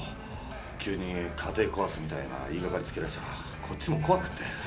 急に家庭壊すみたいな言いがかりつけられちゃこっちも怖くって。